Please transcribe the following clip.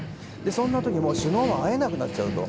そんな時に首脳も会えなくなっちゃうと。